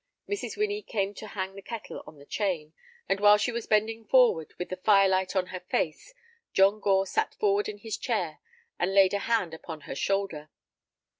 Mrs. Winnie came to hang the kettle on the chain, and while she was bending forward with the firelight on her face John Gore sat forward in his chair and laid a hand upon her shoulder.